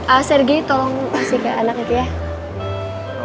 ah sergei tolong kasih ke anak itu ya